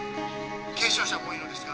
軽傷者も多いのですが。